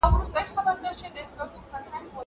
زه اوږده وخت کتابونه وړم وم!